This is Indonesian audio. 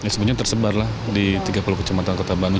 sebenarnya tersebar di tiga puluh kecamatan kota bandung